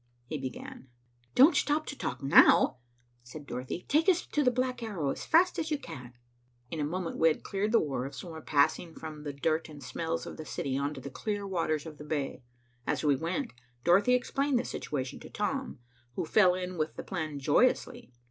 he began. "Don't stop to talk now," said Dorothy. "Take us to the Black Arrow as fast as you can." In a moment we had cleared the wharves and were passing from the dirt and smells of the city on to the clear waters of the bay. As we went, Dorothy explained the situation to Tom, who fell in with the plan joyously.